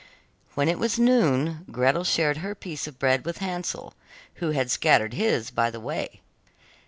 When it was noon, Gretel shared her piece of bread with Hansel, who had scattered his by the way.